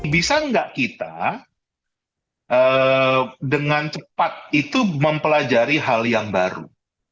bisa nggak kita dengan cepat itu mempelajari hal yang baru